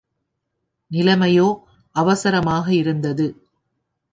நிலைமையோ அவசரமாக இருந்தது.